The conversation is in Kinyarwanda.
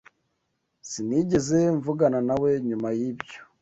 Sinigeze mvugana nawe nyuma yibyo.